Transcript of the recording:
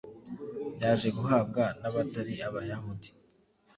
byaje guhabwa n’abatari Abayahudi.